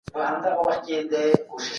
مځکه د راتلونکو نسلونو لپاره هم ده.